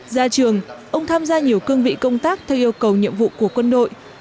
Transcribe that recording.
ra trường ông tham gia nhiều cương vị công tác theo yêu cầu nhiệm vụ của quân đội